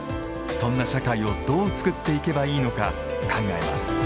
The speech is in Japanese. そんな社会をどう作っていけばいいのか考えます。